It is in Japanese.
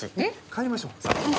帰りましょうさあ。